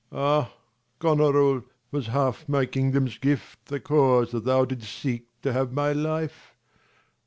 Lelr. Ah, Gonorill, was ha|f my kingdom's gift 50 The cause that thou didst seek tohave my life